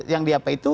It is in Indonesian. yang di apa itu